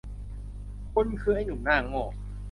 คุณคือไอ้หนุ่มหน้าโง่